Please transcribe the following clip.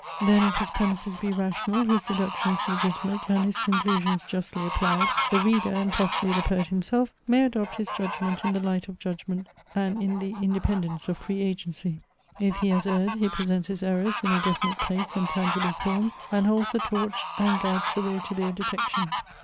Then if his premises be rational, his deductions legitimate, and his conclusions justly applied, the reader, and possibly the poet himself, may adopt his judgment in the light of judgment and in the independence of free agency. If he has erred, he presents his errors in a definite place and tangible form, and holds the torch and guides the way to their detection.